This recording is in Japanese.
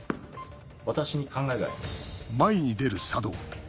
私に考えがあります。